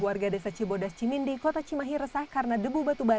warga desa cibodas cimindi kota cimahit